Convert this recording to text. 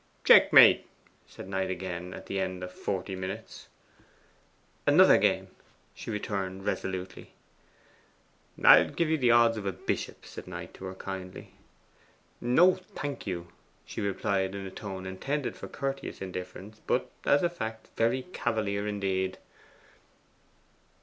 'Checkmate,' said Knight again at the end of forty minutes. 'Another game,' she returned resolutely. 'I'll give you the odds of a bishop,' Knight said to her kindly. 'No, thank you,' Elfride replied in a tone intended for courteous indifference; but, as a fact, very cavalier indeed.